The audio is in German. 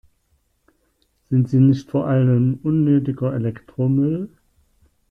Sind sie nicht vor allem unnötiger Elektromüll?